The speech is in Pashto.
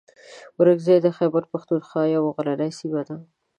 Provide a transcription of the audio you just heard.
اورکزۍ د خیبر پښتونخوا یوه غرنۍ سیمه ده.